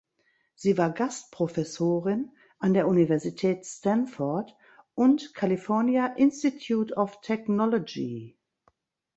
Sie war Gastprofessorin an der Universität Stanford und California Institute of Technology.